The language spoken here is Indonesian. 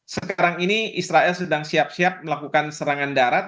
sekarang ini israel sedang siap siap melakukan serangan darat